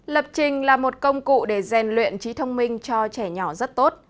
lập trình là một công cụ để rèn luyện trí thông minh cho trẻ nhỏ rất tốt